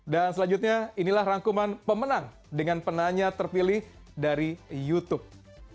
dan selanjutnya inilah rangkuman pemenang dengan penanya terpilih dari youtube